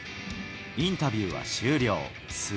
インタビューは終了。